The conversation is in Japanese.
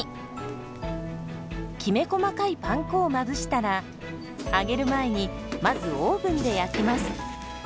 きめ細かいパン粉をまぶしたら揚げる前にまずオーブンで焼きます。